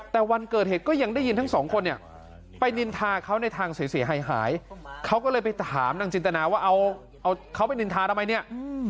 แต่วันเกิดเหตุก็ยังได้ยินทั้งสองคนเนี่ยไปนินทาเขาในทางเสียหายหายเขาก็เลยไปถามนางจินตนาว่าเอาเขาไปนินทาทำไมเนี่ย